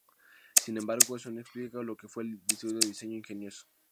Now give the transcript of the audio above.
Sin embargo, eso no explica lo que fue el velocípedo de diseño ingenioso.